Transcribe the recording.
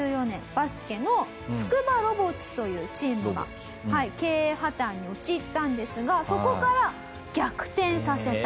バスケのつくばロボッツというチームが経営破綻に陥ったんですがそこから逆転させた。